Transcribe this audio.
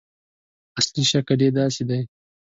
اصلي شکل یې داسې دی.